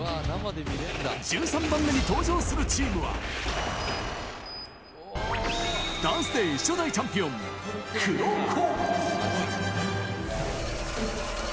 １３番目に登場するチームは、ＤＡＮＣＥＤＡＹ初代チャンピオン、ＫＵＲＯＫＯ。